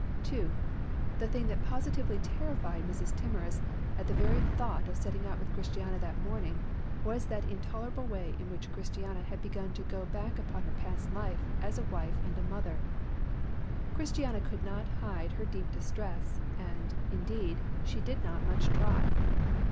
2. The thing that positively terrified Mrs. Timorous at the very thought of setting out with Christiana that morning was that intolerable way in which Christiana had begun to go back upon her past life as a wife and a mother. Christiana could not hide her deep distress, and, indeed, she did not much try.